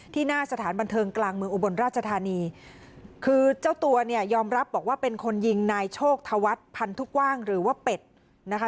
หน้าสถานบันเทิงกลางเมืองอุบลราชธานีคือเจ้าตัวเนี่ยยอมรับบอกว่าเป็นคนยิงนายโชคธวัฒน์พันธุกว้างหรือว่าเป็ดนะคะ